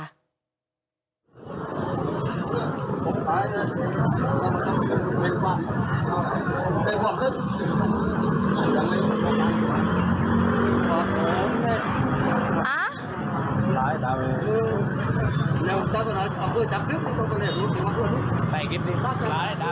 อ้าห์